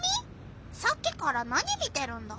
さっきから何見てるんだ？